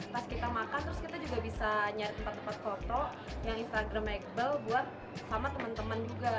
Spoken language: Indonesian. pas kita makan terus kita juga bisa nyari tempat tempat foto yang instagramable buat sama teman teman juga